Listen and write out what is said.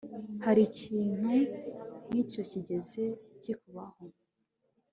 Hari ikintu nkicyo cyigeze kikubaho